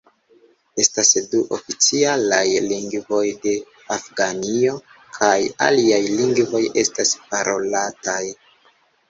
Estas du oficialaj lingvoj de Afganio, kaj aliaj lingvoj estas parolataj.